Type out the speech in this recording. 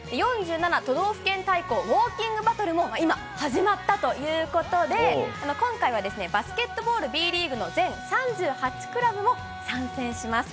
都道府県対抗ウオーキングバトルも今、始まったということで、今回はバスケットボールＢリーグの全３８クラブも参戦します。